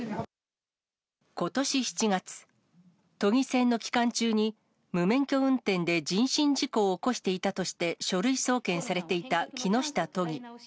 ことし７月、都議選の期間中に、無免許運転で人身事故を起こしていたとして書類送検されていた木下都議。